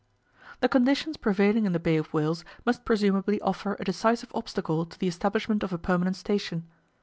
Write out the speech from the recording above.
The conditions prevailing in the Bay of Whales must presumably offer a decisive obstacle to the establishment of a permanent station.